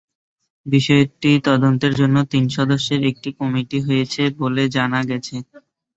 বিষয়টি তদন্তের জন্য তিন সদস্যের একটি কমিটি হয়েছে বলে জানা গেছে।